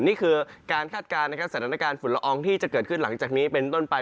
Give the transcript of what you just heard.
นี่คือการคาดการณ์นะครับสถานการณ์ฝุ่นละอองที่จะเกิดขึ้นหลังจากนี้เป็นต้นไป